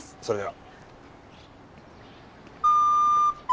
それでは。